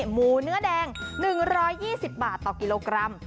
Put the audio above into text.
หมูเนื้อแดง๑๒๐บาทต่อกิโลกรัม